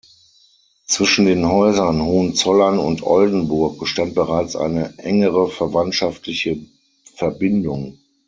Zwischen den Häusern Hohenzollern und Oldenburg bestand bereits eine engere verwandtschaftliche Verbindung.